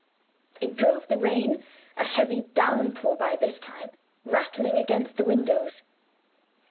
It drove the rain a heavy downpour by this time rattling against the windows.